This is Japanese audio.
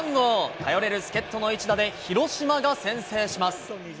頼れる助っ人の一打で、広島が先制します。